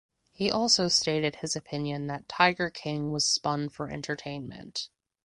He also stated his opinion that "Tiger King" was spun for entertainment.